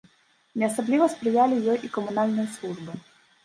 Не асабліва спрыялі ёй і камунальныя службы.